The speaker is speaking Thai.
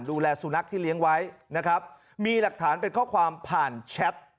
ดูแลสุนัขที่เลี้ยงไว้นะครับมีหลักฐานเป็นข้อความผ่านแชท